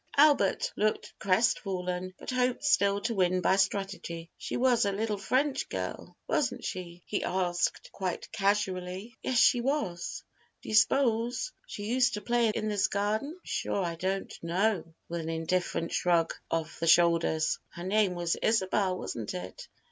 Albert looked crestfallen, but hoped still to win by strategy. "She was a little French girl, wasn't she?" he asked, quite casually. "Yes, she was." "Do you s'pose she used to play in this garden?" "I'm sure I don't know," with an indifferent shrug of the shoulders. "Her name was Isabel, wasn't it?"